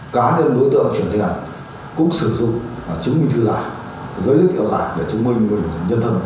cá nhân đối tượng chuyển tiền cũng sử dụng chứng minh thư giả giới thiệu giả để chứng minh mình nhân thân thuộc doanh nghiệp